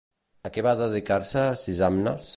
A què va dedicar-se Sisamnes?